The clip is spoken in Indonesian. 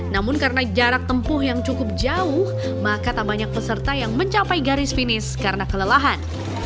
namun karena jarak tempuh yang cukup jauh maka tak banyak peserta yang mencapai garis finis karena kelelahan